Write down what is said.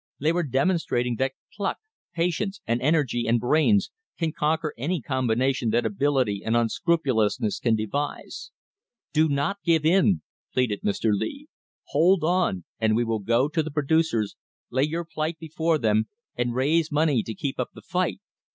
They were demonstrating that pluck, patience, and energy and brains can conquer any combination that ability and unscrupulousness can devise. "Do not give in," pleaded Mr. Lee. "Hold on, and we will go to the producers, lay your plight before them, and raise money to keep up the fight."